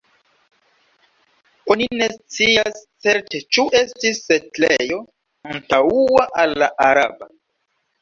Oni ne scias certe ĉu estis setlejo antaŭa al la araba.